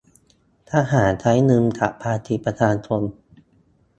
ทหารใช้เงินจากภาษีประชาชน